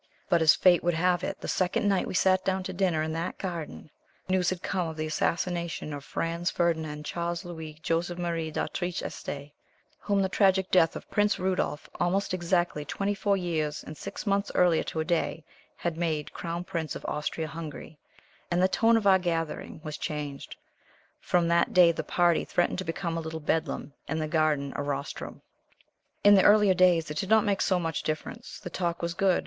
But, as Fate would have it, the second night we sat down to dinner in that garden, news had come of the assassination of Franz Ferdinand Charles Louis Joseph Marie d'Autriche Este, whom the tragic death of Prince Rudolphe, almost exactly twenty four years and six months earlier to a day, had made Crown Prince of Austria Hungary and the tone of our gathering was changed. From that day the party threatened to become a little Bedlam, and the garden a rostrum. In the earlier days it did not make so much difference. The talk was good.